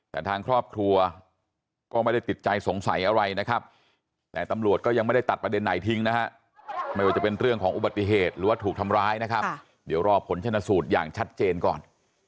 แต่ทางครอบครัวก็ไม่ได้ติดใจสงสัยอะไรนะครับแต่ตำรวจก็ยังไม่ได้ตัดประเด็นไหนทิ้งนะฮะไม่ว่าจะเป็นเรื่องของอุบัติเหตุหรือว่าถูกทำร้ายนะครับเดี๋ยวรอผลชนสูตรอย่างชัดเจนก่อน